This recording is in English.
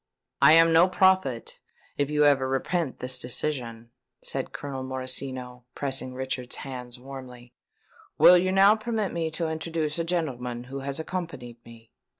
"I am no prophet, if you ever repent this decision," said Colonel Morosino, pressing Richard's hands warmly. "Will you now permit me to introduce a gentleman who has accompanied me?"